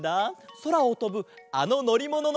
そらをとぶあののりもののかげだぞ。